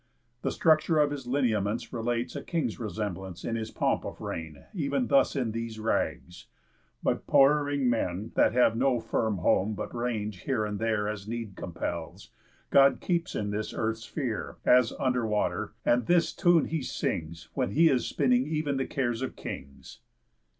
The structure of his lineaments relates A king's resemblance in his pomp of reign Ev'n thus in these rags. But poor erring men, That have no firm home, but range here and there As need compels, God keeps in this earth's sphere, As under water, and this tune he sings, When he is spinning ev'n the cares of kings."